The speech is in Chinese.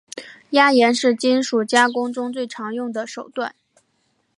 压延是金属加工中最常用的手段。